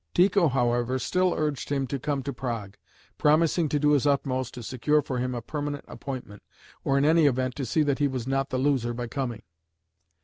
Tycho, however, still urged him to come to Prague, promising to do his utmost to secure for him a permanent appointment, or in any event to see that he was not the loser by coming.